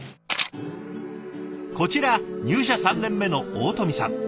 こちら入社３年目の大富さん。